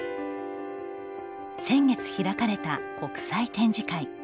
先月開かれた国際展示会。